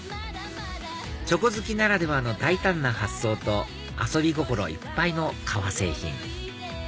チョコ好きならではの大胆な発想と遊び心いっぱいの革製品